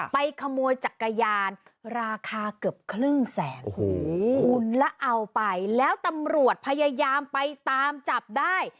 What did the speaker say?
ไปขโมยจักรยานราคาเกือบครึ่งแสนคุณแล้วเอาไปแล้วตำรวจพยายามไปตามจับได้